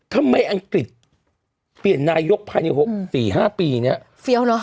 ทำไมอังกฤษเปลี่ยนนายกภายใน๔๕ปีนี้